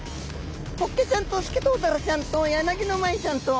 ホッケちゃんとスケトウダラちゃんとヤナギノマイちゃんと。